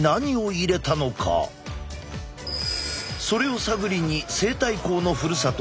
それを探りに西太后のふるさと